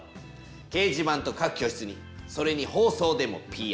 掲示板と各教室にそれに放送でもＰＲ。